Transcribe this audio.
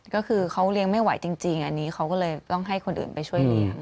ก็คือเขาเลี้ยงไม่ไหวจริงอันนี้เขาก็เลยต้องให้คนอื่นไปช่วยเลี้ยง